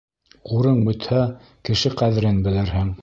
Ҡурың бөтһә, кеше ҡәҙерен белерһең.